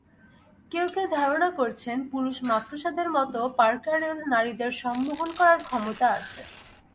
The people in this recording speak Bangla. কেউ কেউ ধারণা করছেন, পুরুষ মাকড়সাদের মতো পার্কারেরও নারীদের সম্মোহন করার ক্ষমতা আছে।